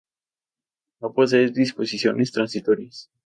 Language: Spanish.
No posee disposiciones transitorias.